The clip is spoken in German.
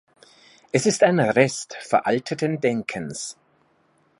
Es ist ein Rest veralteten Denkens.